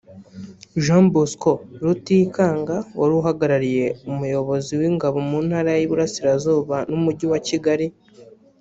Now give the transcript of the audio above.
Jean Bosco Rutikanga wari uhagarariye umuyobozi w’ingabo mu Ntara y’Iburasirazuba n’Umujyi wa Kigali